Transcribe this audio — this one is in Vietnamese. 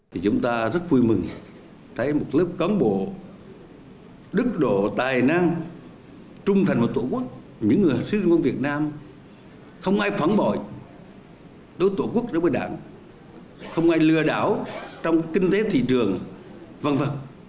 chúng ta rất vui mừng thấy một lớp con bộ đức độ tài năng trung thành và tổ quốc những người thiếu sinh quân việt nam không ai phản bội đối tổ quốc với đảng không ai lừa đảo trong kinh tế thị trường v v